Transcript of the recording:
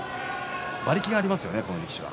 馬力がありますよね、この力士は。